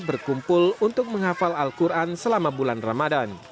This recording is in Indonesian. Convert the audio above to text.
berkumpul untuk menghafal al quran selama bulan ramadan